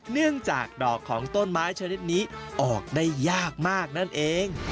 เนื่องจากดอกของต้นไม้ชนิดนี้ออกได้ยากมากนั่นเอง